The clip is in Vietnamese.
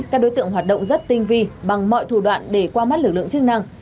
các đối tượng hoạt động rất tinh vi bằng mọi thủ đoạn để qua mắt lực lượng chức năng